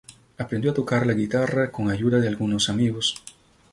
Aprendió a tocar la guitarra con ayuda de algunos amigos.